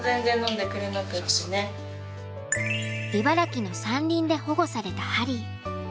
茨城の山林で保護されたハリー。